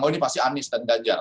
oh ini pasti anies dan ganjar